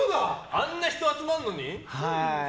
あんなに人が集まるのに？